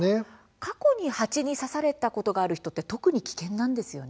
過去に蜂に刺されたことがある人は特に危険なんですよね。